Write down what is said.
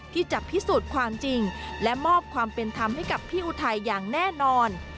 ที่จะพิสูจน์ความจริงและมอบความเป็นธรรมให้กับพี่อุทัยอย่างแน่นอน